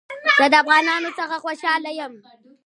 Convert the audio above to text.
زه د افغانانو څخه خوشحاله يم